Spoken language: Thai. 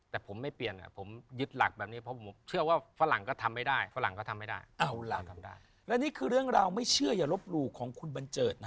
แต่ผมไม่เปลี่ยนแหละผมยึดหลักแบบนี้